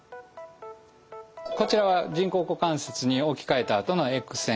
こちらは人工股関節に置き換えたあとのＸ線画像です。